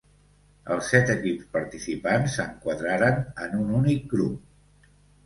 Els set equips participants s'enquadraren en un únic grup.